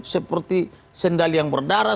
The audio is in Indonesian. seperti sendal yang berdarah